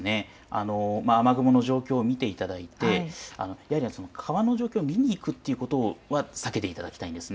雨雲の状況を見ていただいて川の状況を見に行くということは避けていただきたいんです。